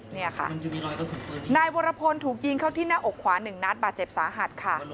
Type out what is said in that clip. เนี่ยค่ะนายวรพลถูกยิงเข้าที่หน้าอกขวาหนึ่งนัดบาดเจ็บสาหัสค่ะ